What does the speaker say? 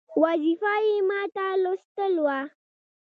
وظیفه یې ماته لوستل وه.